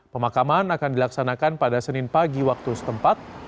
pemakaman akan dilaksanakan pada senin pagi waktu setempat